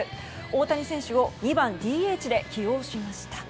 大谷選手を２番ＤＨで起用しました。